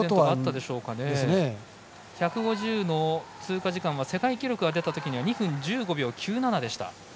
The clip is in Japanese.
１５０の通過時間は世界記録が出たときには２分１５秒９７でした。